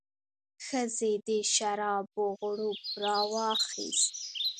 ښځې د شرابو غوړپ راواخیست.